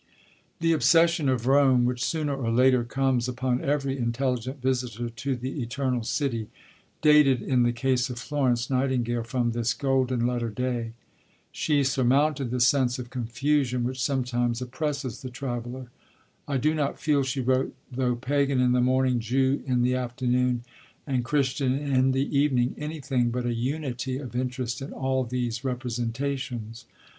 The obsession of Rome, which sooner or later comes upon every intelligent visitor to the Eternal City, dated in the case of Florence Nightingale from this golden letter day. She surmounted the sense of confusion which sometimes oppresses the traveller. "I do not feel," she wrote, "though Pagan in the morning, Jew in the afternoon, and Christian in the evening, anything but a unity of interest in all these representations.